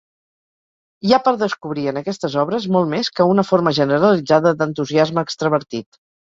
Hi ha per descobrir en aquestes obres molt més que una forma generalitzada d'entusiasme extravertit.